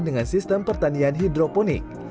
dengan sistem pertanian hidroponik